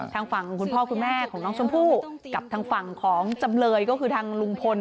ทางฝั่งของคุณพ่อคุณแม่ของน้องชมพู่กับทางฝั่งของจำเลยก็คือทางลุงพล